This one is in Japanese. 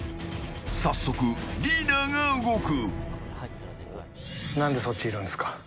早速、リーダーが動く。